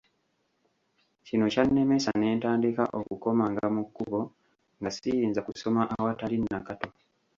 Kino kyannemesa ne ntandika okukomanga mu kkubo nga siyinza kusoma awatali Nakato.